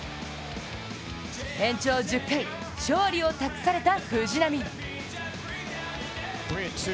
延長１０回、勝利を託された藤浪。